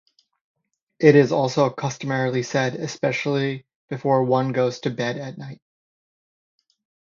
It is also customarily said especially before one goes to bed at night.